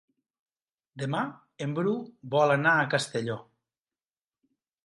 Demà en Bru vol anar a Castelló.